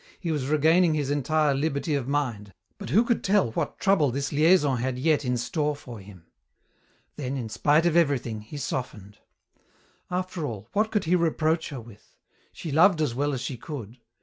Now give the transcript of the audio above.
He was regaining his entire liberty of mind, but who could tell what trouble this liaison had yet in store for him? Then, in spite of everything, he softened. After all, what could he reproach her with? She loved as well as she could.